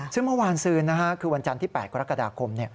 ซึ่งเมื่อวานซืนคือวันจันทร์ที่๘กรกฎาคม